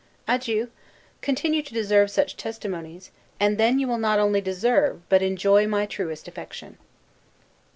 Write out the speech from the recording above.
Adieu. Continue to deserve such testimonies; and then you will not only deserve, but enjoy my truest affection.